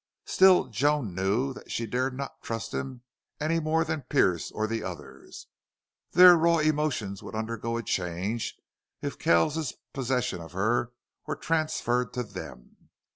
Still Joan knew that she dared not trust him, any more than Pearce or the others. Their raw emotions would undergo a change if Kells's possession of her were transferred to them.